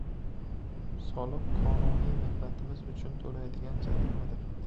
Soliq qonuniy mehnatimiz uchun toʻlaydigan jarimadir!